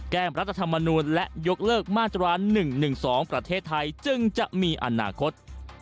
แก้มรัฐธรรมนูลและยกเลิกมาตรา๑๑๒ประเทศไทยจึงจะมีอนาคต